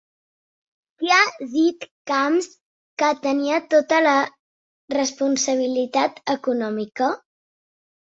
Qui ha dit Camps que tenia tota la responsabilitat econòmica?